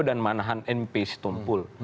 dan manahan m p situmpul